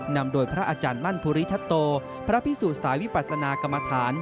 นำโดยพระอาจารย์มั่นภูริทัตโตพระพิสูจนสายวิปัสนากรรมฐาน